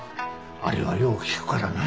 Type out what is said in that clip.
あれはよう効くからな。